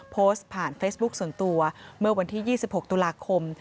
โพสต์ผ่านเฟซบุ๊คส่วนตัวเมื่อวันที่๒๖ตุลาคม